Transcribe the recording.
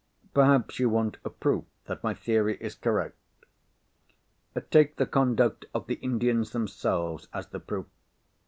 Perhaps you want a proof that my theory is correct? Take the conduct of the Indians themselves as the proof.